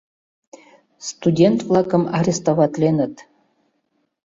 — Студент-влакым арестоватленыт.